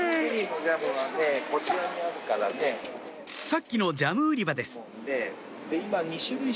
さっきのジャム売り場です